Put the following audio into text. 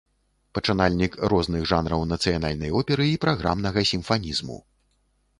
Пачынальнік розных жанраў нацыянальнай оперы і праграмнага сімфанізму.